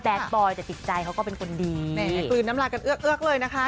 บอยแต่ติดใจเขาก็เป็นคนดีแม่กลืนน้ำลายกันเอื้อเอือกเลยนะคะ